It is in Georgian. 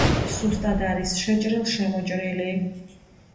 სუსტად არის შეჭრილ-შემოჭრილი.